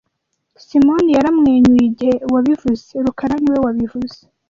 Simoni yaramwenyuye igihe wabivuze rukara niwe wabivuze